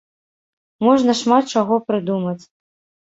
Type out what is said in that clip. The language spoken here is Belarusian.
Можна шмат чаго прыдумаць.